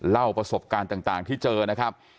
เล่าประสบการณ์ต่างที่เจอนะครับ